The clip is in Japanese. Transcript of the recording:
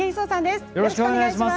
よろしくお願いします。